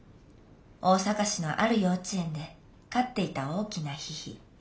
大阪市のある幼稚園で飼っていた大きなヒヒ